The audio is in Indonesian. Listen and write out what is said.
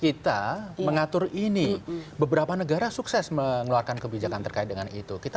kita mengatur ini beberapa negara sukses mengeluarkan kebijakan terkait dengan itu kita